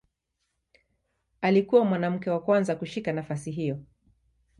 Alikuwa mwanamke wa kwanza kushika nafasi hiyo.